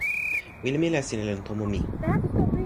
wile mi la sina lon tomo mi.